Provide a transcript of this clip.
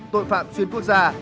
tội phạm xuyên quốc gia